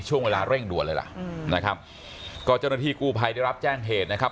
ช่วงเวลาเร่งด่วนเลยล่ะอืมนะครับก็เจ้าหน้าที่กู้ภัยได้รับแจ้งเหตุนะครับ